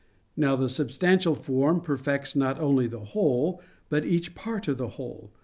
Now the substantial form perfects not only the whole, but each part of the whole.